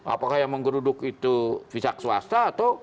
apakah yang menggeruduk itu fisak swasta atau penduduk